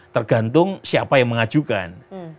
tergantung siapa yang mengajukan